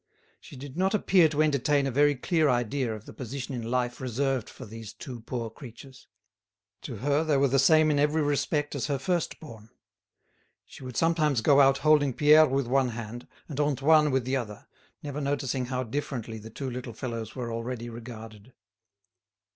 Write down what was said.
She did not appear to entertain a very clear idea of the position in life reserved for these two poor creatures. To her they were the same in every respect as her first born. She would sometimes go out holding Pierre with one hand and Antoine with the other, never noticing how differently the two little fellows were already regarded.